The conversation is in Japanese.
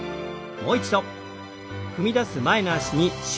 もう一度。